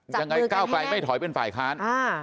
ยังไงก้าวไกลไม่ถอยเป็นฝ่ายค้าน